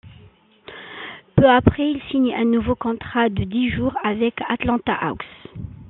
Peu après, il signe un nouveau contrat de dix jours avec les Atlanta Hawks.